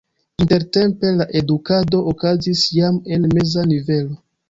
Intertempe la edukado okazis jam en meza nivelo.